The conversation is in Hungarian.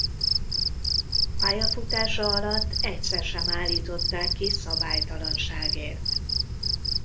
Pályafutása alatt egyszer sem állították ki szabálytalanságért.